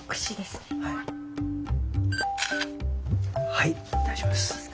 はい大丈夫です。